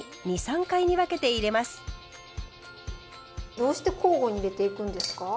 どうして交互に入れていくんですか？